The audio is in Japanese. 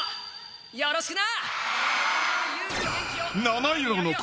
よろしくな！